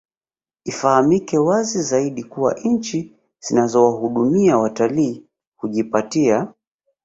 Ifahamike wazi zaidi kuwa nchi zinazowahudumia watalii hujipatia